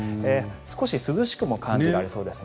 少し涼しくも感じられそうです。